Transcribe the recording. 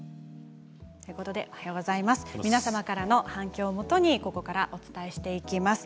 皆様からの反響をもとにお伝えしていきます。